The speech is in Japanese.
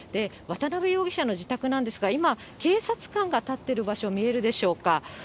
渡辺容疑者の自宅なんですが、今、警察官が立ってる場所、見えるでしょうか。